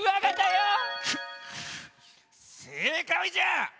クせいかいじゃ！